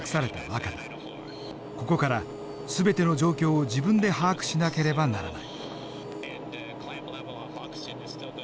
ここから全ての状況を自分で把握しなければならない。